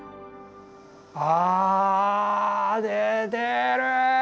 あ出てる。